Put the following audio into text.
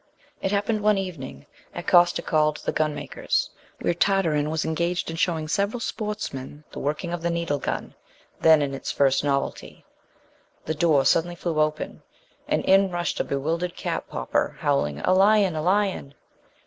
It happened one evening at Costecalde the gunmaker's, where Tartarin was engaged in showing several sportsmen the working of the needle gun, then in its first novelty. The door suddenly flew open, and in rushed a bewildered cap popper, howling "A lion, a lion!"